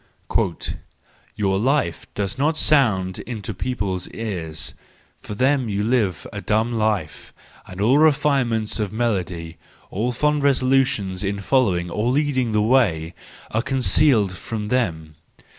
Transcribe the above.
—" Your life does not sound into people's ears: for them you live a dumb life, and all refinements of melody, all fond resolutions in following or leading the way, are concealed from them.